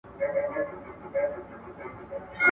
ژوندپوهنه د ميوو او غلو د اصلاح لپاره پکار ده.